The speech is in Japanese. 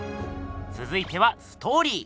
つづいてはストーリー。